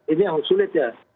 ini yang sulit ya